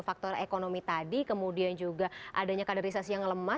faktor ekonomi tadi kemudian juga adanya kaderisasi yang lemah